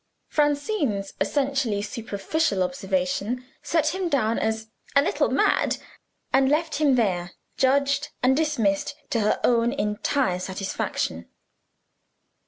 Francine's essentially superficial observation set him down as "a little mad," and left him there, judged and dismissed to her own entire satisfaction.